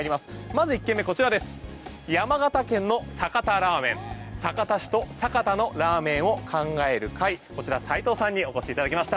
まず１件目山形県の酒田ラーメン、酒田市と酒田のラーメンを考える会齋藤さんにお越しいただきました。